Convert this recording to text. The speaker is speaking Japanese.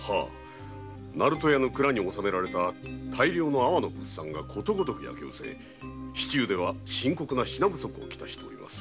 鳴門屋の蔵に納められた大量の阿波の物産がすべて焼けうせ市中では深刻な品不足となっております。